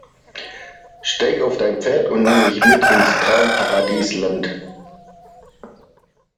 Steig auf dein Pferd und nimm mich mit ins Traumparadisland.